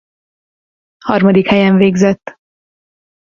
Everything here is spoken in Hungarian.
Harmadik helyen végzett.